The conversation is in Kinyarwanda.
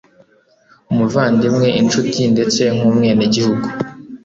umuvandimwe, inshuti, ndetse nk'umwenegihugu